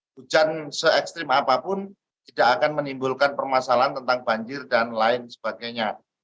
hujan se ekstrim apapun tidak akan menimbulkan permasalahan tentang banjir dan lain sebagainya